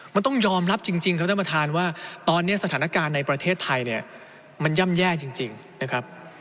มันต้องยอมรับจริงครับท่านประธานว่าตอนนี้สถานการณ์ในประเทศไทยเนี่ยมันย่ำแย่จริงนะครับ